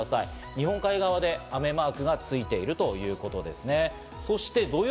日本海側で雨マークがついているということですね。